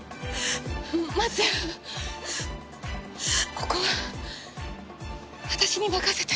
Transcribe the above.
ここは私に任せて。